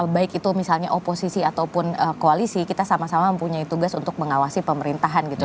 baik itu misalnya oposisi ataupun koalisi kita sama sama mempunyai tugas untuk mengawasi pemerintahan gitu